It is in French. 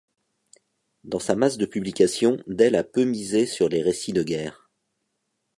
Dans sa masse de publications, Dell a peu misé sur les récits de guerre.